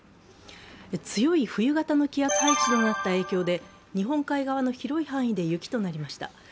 強い冬型の気圧配置となった影響で日本海側の広い範囲で雪となりました。